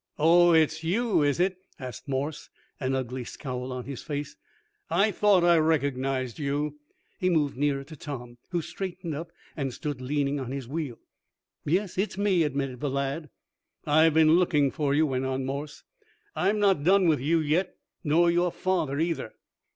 "Oh, it's you; is it?" asked Morse, an ugly scowl on his face. "I thought I recognized you." He moved nearer to Tom, who straightened up, and stood leaning on his wheel. "Yes; it's me," admitted the lad. "I've been looking for you," went on Morse. "I'm not done with you yet, nor your father, either."